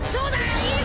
いいぞ！